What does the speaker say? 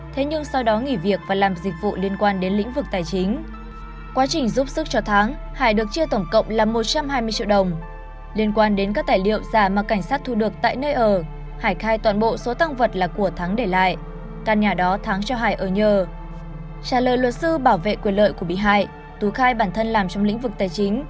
từ luật sư bảo vệ quyền lợi của bị hại tú khai bản thân làm trong lĩnh vực tài chính